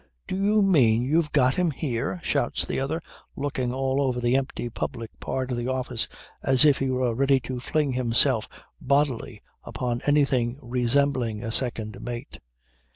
"Do you mean you've got him here?" shouts the other looking all over the empty public part of the office as if he were ready to fling himself bodily upon anything resembling a second mate.